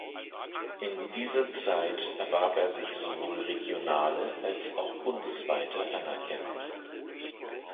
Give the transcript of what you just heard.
In dieser Zeit erwarb er sich sowohl regionale als auch bundesweite Anerkennung.